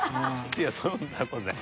いやそんな事ない。